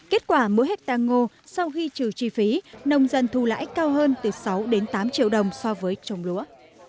kết quả mỗi hectare ngô sau khi trừ chi phí nông dân thu lãi cao hơn từ sáu đến tám triệu đồng so với trồng lúa